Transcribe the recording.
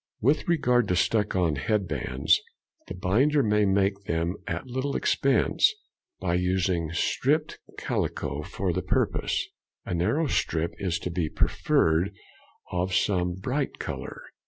With regard to stuck on head bands, the binder may make them at little expense, by using striped calico for the purpose. A narrow stripe is to be preferred of some bright colour.